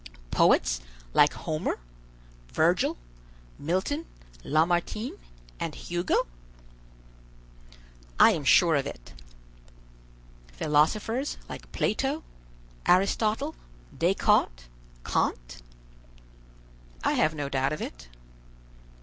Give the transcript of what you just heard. "Poets like Homer, Virgil, Milton, Lamartine, and Hugo?" "I am sure of it." "Philosophers like Plato, Aristotle, Descartes, Kant?" "I have no doubt of it."